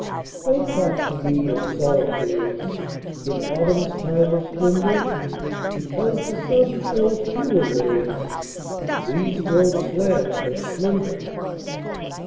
Don't talk to me of solemn days In autumn's time of splendor, Because the sun shows fewer rays, And these grow slant and slender.